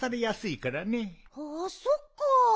ああそっか。